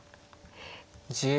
１０秒。